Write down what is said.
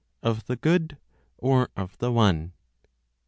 Of the Good, or of the One.